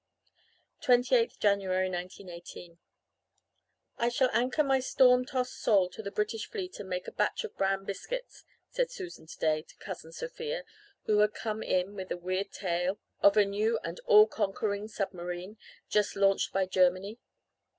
28th January 1918 "'I shall anchor my storm tossed soul to the British fleet and make a batch of bran biscuits,' said Susan today to Cousin Sophia, who had come in with some weird tale of a new and all conquering submarine, just launched by Germany.